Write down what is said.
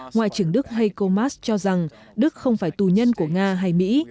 ngoại trưởng đức heiko maas cho rằng đức không phải tu nhân của nga hay mỹ